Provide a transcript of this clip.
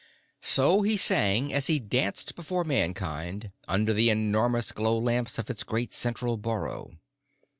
So he sang as he danced before Mankind, under the enormous glow lamps of its great central burrow.